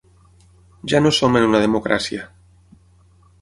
Ja no som en una democràcia.